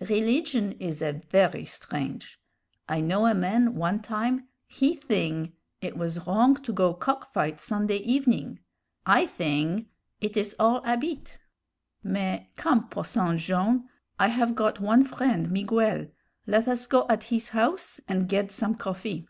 Rilligion is a very strange; I know a man one time, he thing it was wrong to go to cock fight Sunday evening. I thing it is all 'abit. Mais, come, Posson Jone'; I have got one friend, Miguel; led us go at his house and ged some coffee.